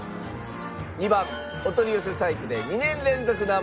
２番お取り寄せサイトで２年連続Ｎｏ．１